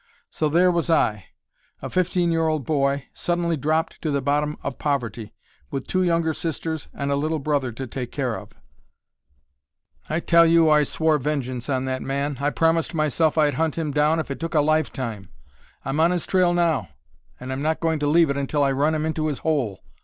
So there was I, a fifteen year old boy, suddenly dropped to the bottom of poverty, with two younger sisters and a little brother to take care of. "I tell you, I swore vengeance on that man. I promised myself I'd hunt him down if it took a lifetime. I'm on his trail now, and I'm not going to leave it until I run him into his hole.